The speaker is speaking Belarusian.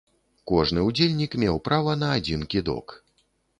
Кожны ўдзельнік меў права на адзін кідок.